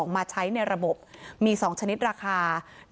มาใช้ในระบบมี๒ชนิดราคา